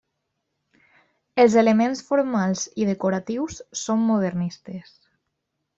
Els elements formals i decoratius són modernistes.